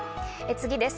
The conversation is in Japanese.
次です。